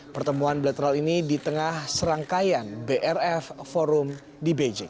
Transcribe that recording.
pertemuan bilateral ini di tengah serangkaian brf forum di bj